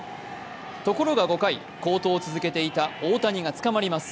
ところが５回、好投を続けていた大谷が捕まります。